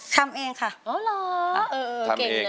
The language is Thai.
ทำเองค่ะอ๋อเหรอเออเก่งนะ